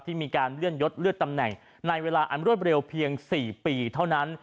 มีการเลื่อนยดเลือดตำแหน่งในเวลาอันรวดเร็วเพียง๔ปีเท่านั้น